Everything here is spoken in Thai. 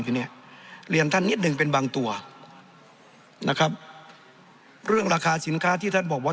ทีนี้เรียนท่านนิดหนึ่งเป็นบางตัวนะครับเรื่องราคาสินค้าที่ท่านบอกว่า